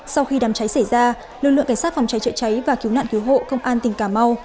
sau khi đám cháy xảy ra lực lượng cảnh sát phòng cháy chữa cháy và cứu nạn cứu hộ công an tỉnh cà mau